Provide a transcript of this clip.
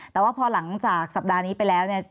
แต่ว่าพอหลังจากสัปดาห์นี้ไปแล้วเนี่ย